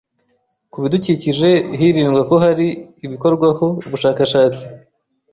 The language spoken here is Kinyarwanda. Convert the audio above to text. ku bidukikije hirindwa ko hari ibikorwaho ubushakashatsi